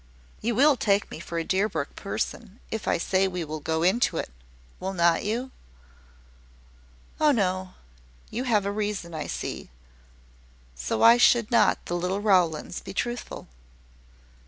"You will take me for a Deerbrook person, if I say we will go into it, will not you?" "Oh, no: you have a reason, I see. So, why should not the little Rowlands be truthful?"